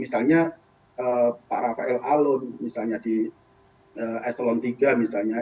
misalnya pak rafael alun misalnya di eselon tiga misalnya